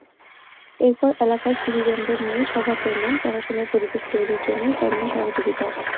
এরপর এলাকার সুধীজনদের নিয়ে সভা করলেন, পড়াশোনার পরিবেশ তৈরির জন্য চাইলেন সহযোগিতা।